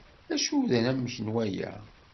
D acu-t unamek n waya?